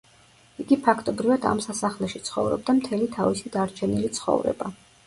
იგი ფაქტობრივად ამ სასახლეში ცხოვრობდა მთელი თავისი დარჩენილი ცხოვრება.